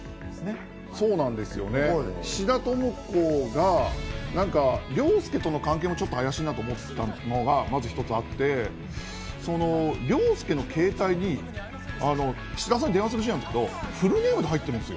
菱田朋子が凌介との関係もちょっとあやしいなと思ったのが一つあって、凌介の携帯に菱田さんに電話するシーンがあったんだけど、フルネームで入ってるんです。